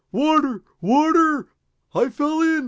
Water! Water! I fell in!"